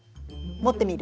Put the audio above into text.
持ってみる？